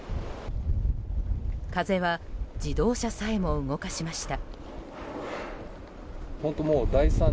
風は自動車さえも動かしました。